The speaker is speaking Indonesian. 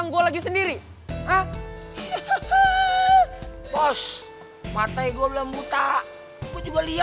makasih ya buat tawaran pelangnya